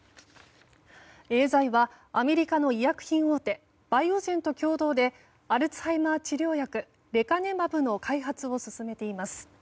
エーザイはアメリカの医薬品大手バイオジェンと共同でアルツハイマー治療薬レカネマブの開発を進めています。